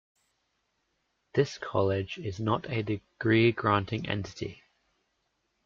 This college is not a degree-granting entity.